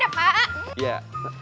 ya nikmatin dah pak